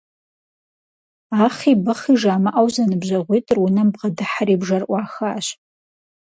Ахъи-быхъи жамыӀэу зэныбжьэгъуитӀыр унэм бгъэдыхьэри бжэр Ӏуахащ.